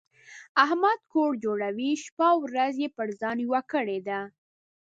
احمد کور جوړوي؛ شپه او ورځ يې پر ځان یوه کړې ده.